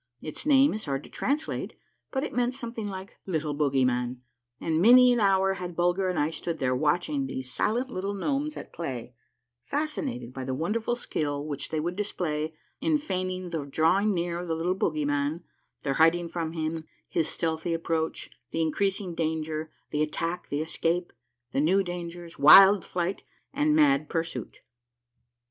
Its name is hard to translate, ])ut it meant something like " Little Bogyman," and many an hour had Bulger and I stood there watching these silent little gnomes at play, fascinated by the wonderful skill which they would display in feigning the draw 134 A MARVELLOUS UNDERGROUND JOURNEY ing near of the Little Bogyman, their hiding from him, his stealthy approach, the increasing danger, the attack, the escape, the new dangers, wild flight, and mad pui suit.